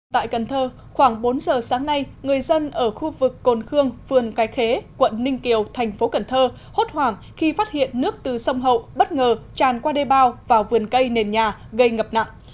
tại cần thơ khoảng bốn giờ sáng nay người dân ở khu vực cồn khương phường cái khế quận ninh kiều thành phố cần thơ hốt hoảng khi phát hiện nước từ sông hậu bất ngờ tràn qua đê bao vào vườn cây nền nhà gây ngập nặng